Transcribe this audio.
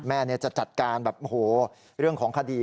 แม่จะจัดการแบบโอ้โหเรื่องของคดี